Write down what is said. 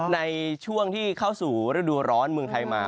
ในช่วงที่เข้าสู่ฤดูร้อนเมืองไทยมา